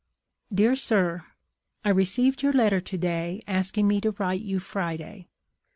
"Dear Sir: I received your letter to day, asking me to write you Friday.